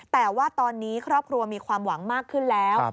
แต่ว่าตอนนี้ครอบครัวมีความหวังมากขึ้นแล้ว